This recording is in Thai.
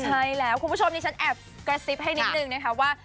ใช่แล้วคุณผู้ชมดิฉันแอบกระซิบให้นิดนึงนะคะว่า